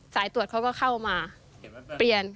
สายตรวจเขาก็เข้ามาเปลี่ยน